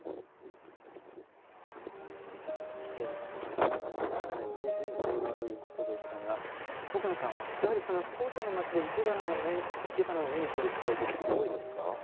京都の街にはいけばなが息づいているということでしたが奥野さん、京都の街でいけばなを目にする機会は多いですか？